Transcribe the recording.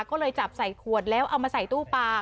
ก็เลยจับใส่ขวดแล้วเอามาใส่ตู้ปลา